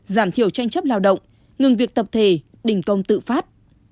giảm thiểu tranh chấp lao động ngừng việc tập thể đình công tự phát